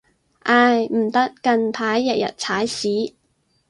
唉，唔得，近排日日踩屎